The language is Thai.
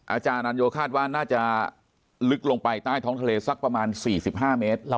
อาจารย์อนันโยคาดว่าน่าจะลึกลงไปใต้ท้องทะเลสักประมาณ๔๕เมตร